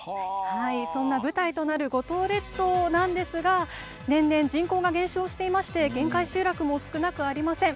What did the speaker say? そんな舞台となる五島列島ですが年々、人口が減少していて限界集落も少なくありません。